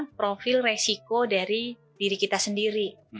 kita juga perhatikan profil resiko dari diri kita sendiri